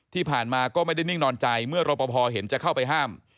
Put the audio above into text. ที่ผ่านมาก็ไม่ได้นิ่งนอนใจเมื่อรปภเห็นจะเข้าไปห้าม